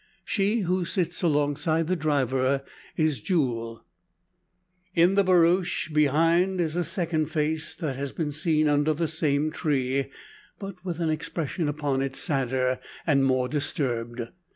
She who sits alongside the driver is "Jule." In the barouche, behind, is a second face that has been seen under the same tree, but with an expression upon it sadder and more disturbed.